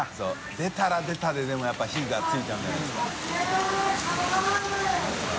出たら出たででもやっぱ个ついちゃうんじゃないですか